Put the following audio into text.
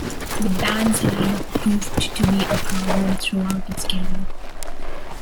The band's lineup proved to be a problem throughout its career.